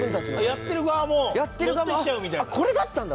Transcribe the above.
やってる側もノッてきちゃうみたいな。